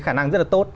khả năng rất là tốt